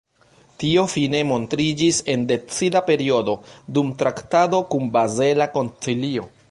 Tio fine montriĝis en decida periodo, dum traktado kun bazela koncilio.